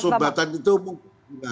itu sumbatan itu umum